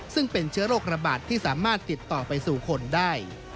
ซึ่งเป็นเชื้อโรคระบาดที่สามารถติดต่อไปสู่คนได้